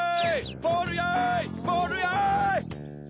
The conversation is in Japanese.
ボールやいボールやい！